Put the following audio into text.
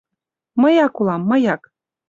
— Мыяк улам, мыяк...